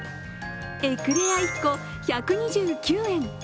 エクレア１個１２９円